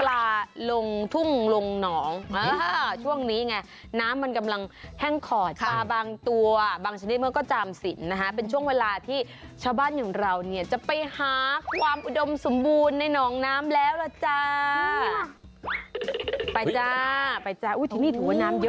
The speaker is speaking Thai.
ล่ะจ้าไปจ้าไปจ้าอุ้ยที่นี่ถูกว่าน้ำเยอะเหมือนกันนะ